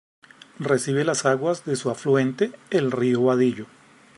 Recibe las aguas de su afluente, el río Badillo.